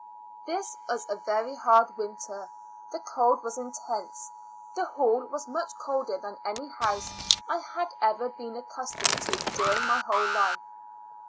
, This was a very hard winter; the cold was intense; the hall was much colder than any house I had ever been accustomed to during my whole life.